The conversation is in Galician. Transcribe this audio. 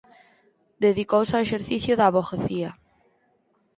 Dedicouse ao exercicio da avogacía.